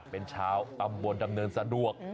เป็นชาวตำบลดำเนินสะดวก